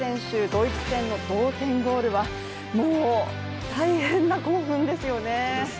ドイツ戦の同点ゴールはもう、大変な興奮ですよね。